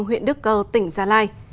huyện đức cơ tỉnh gia lai